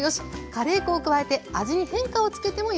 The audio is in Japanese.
カレー粉を加えて味に変化をつけてもよし。